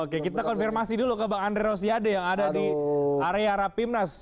oke kita konfirmasi dulu ke bang andre rosiade yang ada di area rapimnas